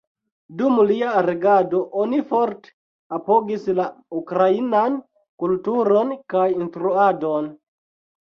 Dum lia regado, oni forte apogis la ukrainan kulturon kaj instruadon.